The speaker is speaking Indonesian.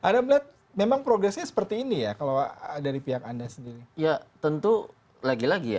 dari pihak anda sendiri